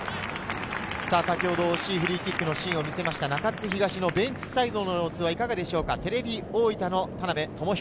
先ほど惜しいキックシーンを見せました中津東のベンチサイドはどうでしょうか。